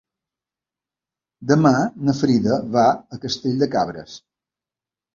Demà na Frida va a Castell de Cabres.